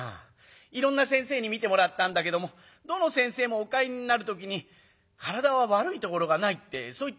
いろんな先生に診てもらったんだけどもどの先生もお帰りになる時に『体は悪いところがない』ってそう言ってお帰りになる。